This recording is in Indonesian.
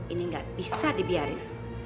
ini gak bisa dibiarin